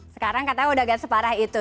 sekarang katanya udah gak separah itu